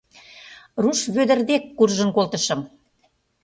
Руш Вӧдыр дек куржын колтышым.